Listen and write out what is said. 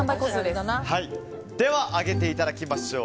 では、上げていただきましょう。